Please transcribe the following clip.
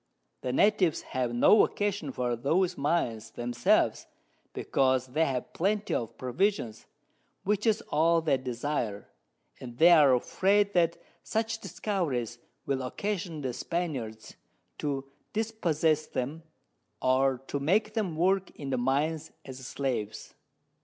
The Natives have no occasion for those Mines themselves, because they have Plenty of Provisions, which is all they desire, and they are afraid that such Discoveries will occasion the Spaniards to dispossess them, or to make them work in the Mines as Slaves.